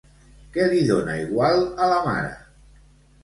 Què li dona igual a la mare?